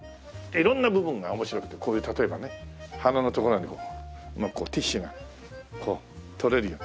色んな部分が面白くてこういう例えばね鼻の所にティッシュがこう取れるように。